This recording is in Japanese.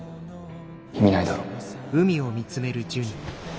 意味ないだろ。